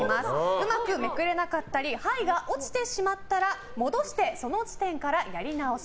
うまくめくれなかったり牌が落ちてしまったら戻して、その時点からやり直し。